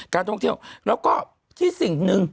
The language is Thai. การท่องเที่ยวแล้วก็ที่สิ่งหนึ่ง